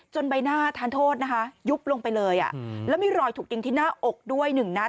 ใบหน้าทานโทษนะคะยุบลงไปเลยแล้วมีรอยถูกยิงที่หน้าอกด้วยหนึ่งนัด